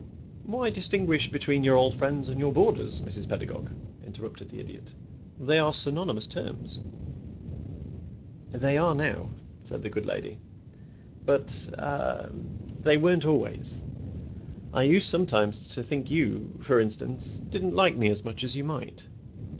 "Why distinguish between your old friends and your boarders, Mrs. Pedagog?" interrupted the Idiot. "They are synonymous terms." "They are now," said the good lady, "but ah they weren't always. I used sometimes to think you, for instance, didn't like me as much as you might."